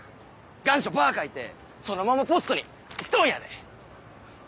願書バ書いてそのままポストにストンやで！